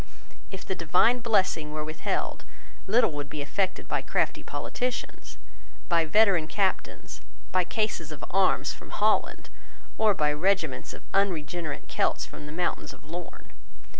If the divine blessing were withheld, little would be effected by crafty politicians, by veteran captains, by cases of arms from Holland, or by regiments of unregenerate Celts from the mountains of Lorn.